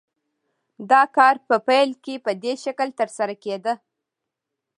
دا کار په پیل کې په دې شکل ترسره کېده